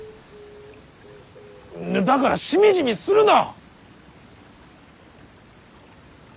だからしみじみするな！